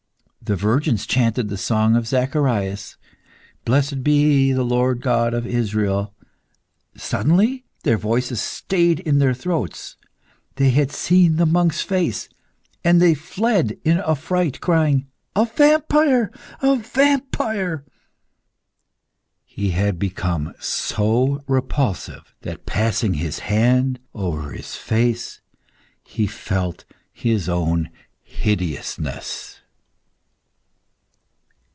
The virgins chanted the song of Zacharias: "Blessed be the Lord God of Israel." Suddenly their voices stayed in their throat. They had seen the monk's face, and they fled in affright, crying "A vampire! A vampire!" He had become so repulsive, that passing his hand over his face, he felt his own hideousness.